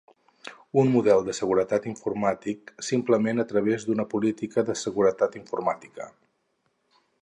Un model de seguretat informàtic s'implement a través d'una política de seguretat informàtica.